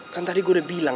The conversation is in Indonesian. kan tadi gue udah bilang